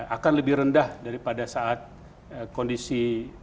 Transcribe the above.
akan lebih rendah daripada saat kondisi